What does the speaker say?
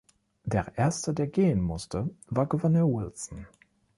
Der erste, der gehen musste, war Gouverneur Wilson.